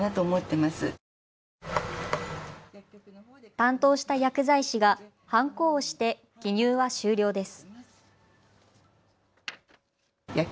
担当した薬剤師がはんこを押して記入は終了です。